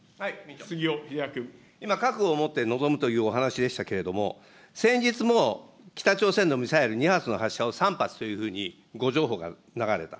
今、覚悟をもって臨むというお話しでしたけれども、先日も北朝鮮のミサイル２発の発射を３発というふうに、誤情報が流れた。